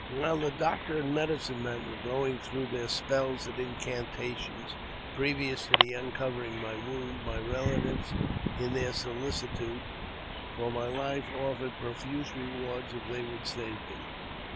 While the doctor and medicine men were going through their spells and incantations previous to uncovering my wound, my relatives, in their sohcitude for my life, offered profuse rewards if they would save me.